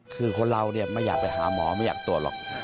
คือคนเราเนี่ยไม่อยากไปหาหมอไม่อยากตรวจหรอก